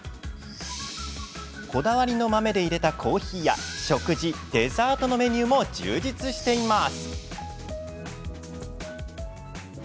こだわりの豆でいれたコーヒーや食事、デザートのメニューも充実しています。